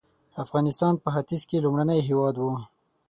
افغانستان په ختیځ کې لومړنی هېواد و.